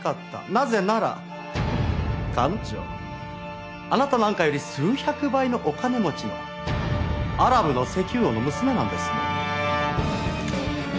なぜなら彼女あなたなんかより数百倍もお金持ちのアラブの石油王の娘なんですもの。